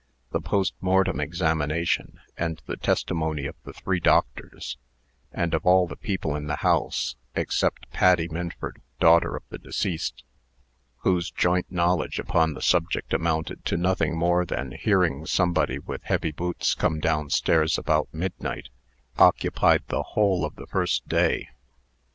The post mortem examination, and the testimony of the three doctors, and of all the people in the house (except Patty Minford, daughter of the deceased) whose joint knowledge upon the subject amounted to nothing more than hearing somebody with heavy boots come down stairs about midnight occupied the whole of the first day.